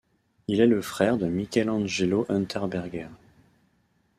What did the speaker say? Il est le frère de Michelangelo Unterberger.